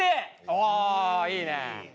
おいいね。